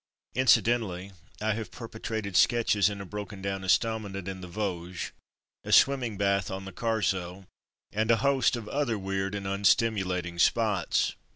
Incidentally I have perpetrated sketches in a broken down estaminet in the Vosges, a swimming bath on the Carso, and a host of other weird and unstimulating spots.